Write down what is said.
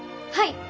はい！